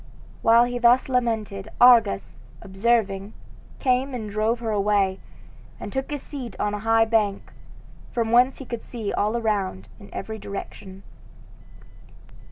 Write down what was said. While he thus lamented, Argus, observing, came and drove her away, and took his seat on a high bank, from whence he could see all around in every direction.